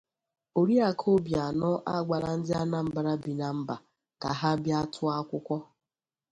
Oriakụ Obianọ Agwala Ndị Anambra Bi na Mba Ka Ha Bịa Tụọ Akwụkwọ